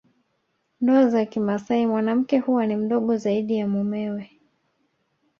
Ndoa za kimasai mwanamke huwa ni mdogo zaidi ya mumewe